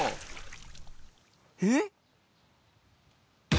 えっ？